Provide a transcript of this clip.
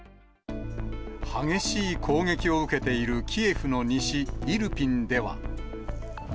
激しい攻撃を受けているキエフの西イルピンでは。